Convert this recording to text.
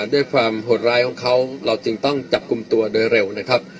ด้วยความโหดร้ายของเขาเราจึงต้องจับกลุ่มตัวโดยเร็วนะครับ